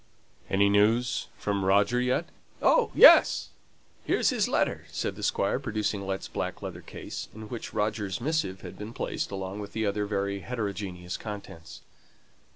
"Any news from Roger yet?" "Oh, yes; here's his letter," said the Squire, producing his black leather case, in which Roger's missive had been placed along with the other very heterogeneous contents.